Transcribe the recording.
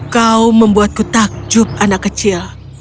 kau membuatku takjub anak kecil